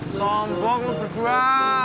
sombong lu berdua